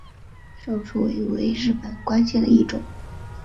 少初位为日本官阶的一种。